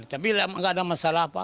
tapi enggak ada masalah apa apa